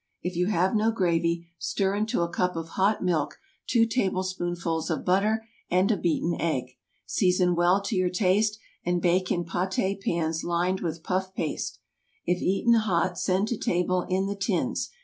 If you have no gravy, stir into a cup of hot milk two tablespoonfuls of butter and a beaten egg. Season well to your taste, and bake in pâté pans lined with puff paste. If eaten hot, send to table in the tins.